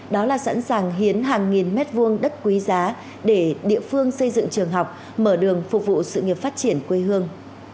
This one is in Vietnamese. đó là sẵn sàng hiến hàng nghìn mét vuông đất quý giá để địa phương xây dựng trường học mở đường phục vụ sự nghiệp phát triển quê hương